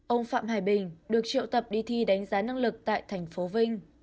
ông phạm hải bình được triệu tập đi thi đánh giá năng lực tại thành phố vinh